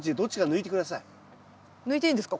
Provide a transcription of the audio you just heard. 抜いていいんですか？